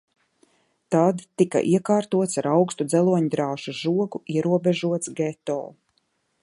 Tad tika iekārtots ar augstu dzeloņdrāšu žogu ierobežots geto.